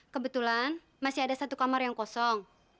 kebetulan masih ada satu kamar yang kosong